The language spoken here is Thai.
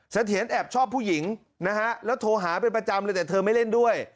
เสถียรแอบชอบผู้หญิงนะฮะแล้วโทรหาเป็นประจำเลยแต่เธอไม่เล่นด้วย